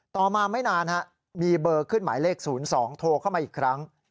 ต่อมาไม่นานมีเบอร์ขึ้นหมายเลข๐๒โทรเข้ามาอีกครั้ง